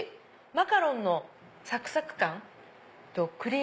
マカロンのサクサク感とクリーム。